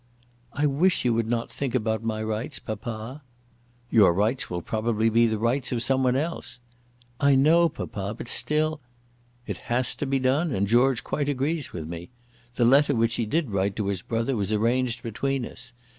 "I wish you would not think about my rights, papa." "Your rights will probably be the rights of some one else." "I know, papa; but still " "It has to be done, and George quite agrees with me. The letter which he did write to his brother was arranged between us.